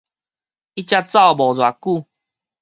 伊才走無偌久